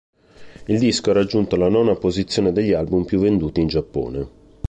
Il disco ha raggiunto la nona posizione degli album più venduti in Giappone.